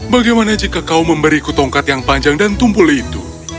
bagaimana jika kau memberiku tongkat yang panjang dan tumpul itu